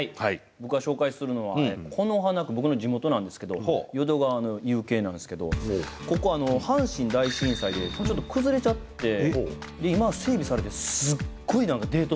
僕が紹介するのは淀川の夕景なんですけどここ阪神大震災でちょっと崩れちゃって今整備されてすっごい何かデート